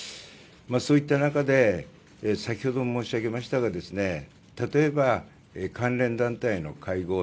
そういった中で先ほど申し上げましたが例えば、関連団体の会合。